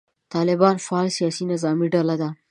طالبان فعاله سیاسي نظامي ډله ده.